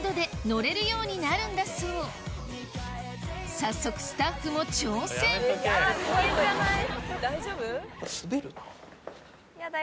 早速スタッフも挑戦やめとけ。